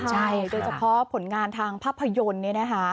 ใช่โดยเฉพาะผลงานทางภาพยนตร์เนี่ยนะคะ